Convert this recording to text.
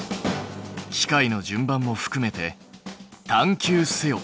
機械の順番もふくめて探究せよ！